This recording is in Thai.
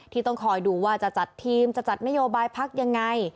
ต้องคอยดูว่าจะจัดทีมจะจัดนโยบายพักยังไง